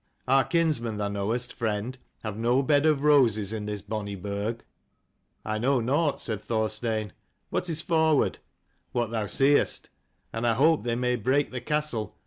Our kinsmen, thou knowest, friend, have no bed of roses in this bonny burg." "I know nought," said Thorstein. "What is forward?'' "What thou seest, and I hope they may break the castle.